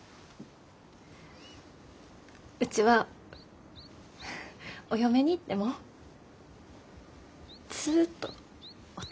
うちはお嫁に行ってもずっとお父